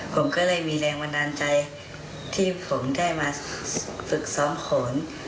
ผมก็เลยมีแรงบันดาลใจที่ผมได้มาฝึกซ้อมโขน